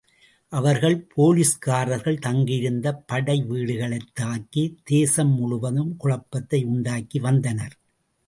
அவர்கள் போலிஸ்கார்கள் தங்கியிருந்த படைவீடுகளைத் தாக்கித் தேசம்முழுவதும் குழப்பத்தை உண்டாக்கி வந்தனர்.